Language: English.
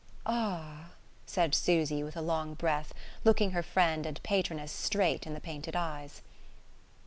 "Ah " said Susy with a long breath, looking her friend and patroness straight in the painted eyes.